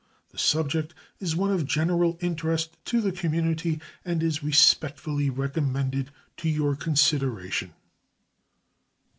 The subject is one of general interest to the community, and is respectfully recommended to your consideration.